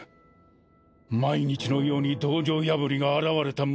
毎日のように道場破りが現れた昔が嘘のよう。